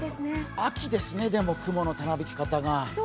秋ですね、雲のたなびき方が。